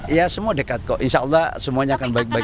ya semua dekat kok insya allah semuanya akan baik baik